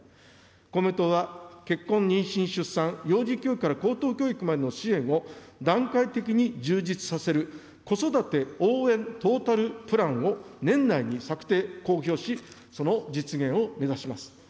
公明党は結婚、妊娠、出産、幼児教育から高等教育までの支援を段階的に充実させる、子育て応援トータルプランを年内に策定、公表し、その実現を目指します。